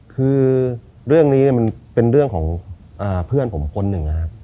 คือเรื่องนี้มันเป็นเรื่องของเพื่อนผมคนหนึ่งนะครับ